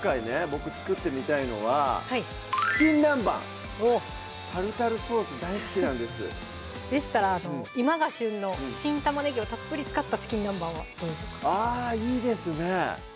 ボク作ってみたいのは「チキン南蛮」タルタルソース大好きなんですでしたら今が旬の新玉ねぎをたっぷり使った「チキン南蛮」はどうでしょうかあぁいいですね